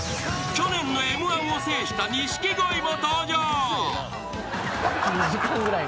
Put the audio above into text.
［去年のＭ−１を制した錦鯉も登場］